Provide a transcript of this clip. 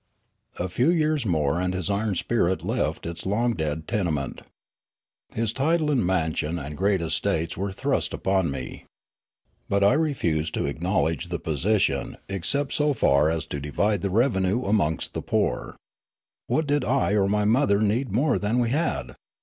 A few years more and his iron spirit left its long dead tenement. His title and mansion and great estates were thrust upon me. But I refused to acknowledge lo Riallaro the position except so far as to divide the revenue amongst the poor. What did I or my mother need more than we had